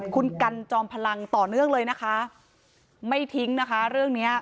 คุณกันจอมพลังต่อเนื่องเลยนะคะไม่ทิ้งนะคะเรื่องเนี้ย